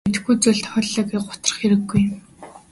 Мэдэхгүй зүйл тохиолдлоо гээд гутрах хэрэггүй.